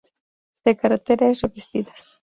De carretera es revestidas.